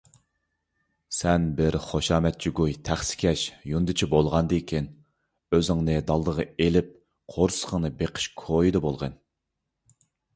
سەن بىر خۇشامەتگۇي - تەخسىكەش، يۇندىچى بولغاندىكىن ئۆزۈڭنى دالدىغا ئېلىپ قورسىقىڭنى بېقىش كويىدا بولغىن.